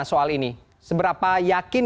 soal ini seberapa yakin